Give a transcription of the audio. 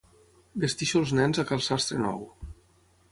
Vesteixo els nens a cal sastre nou.